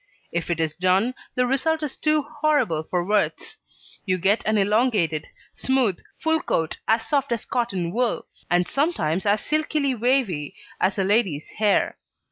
If it is done, the result is too horrible for words: you get an elongated, smooth, full coat as soft as cotton wool, and sometimes as silkily wavy as a lady's hair.